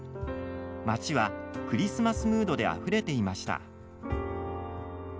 街はクリスマスムードであふれていました。